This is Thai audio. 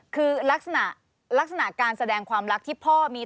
คือลักษณะการแสดงความรักที่พ่อมีตามใจ